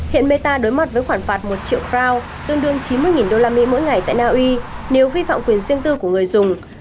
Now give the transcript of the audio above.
hiện meta đối mặt với khoản phạt một triệu crown tương đương chín mươi usd mỗi ngày tại naui nếu vi phạm quyền riêng tư của người dùng